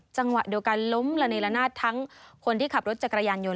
จังหวะเดียวกันล้มละเนละนาดทั้งคนที่ขับรถจักรยานยนต